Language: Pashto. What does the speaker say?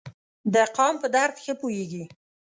د قام په درد ښه پوهیږي.